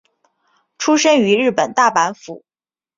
出身于日本大阪府。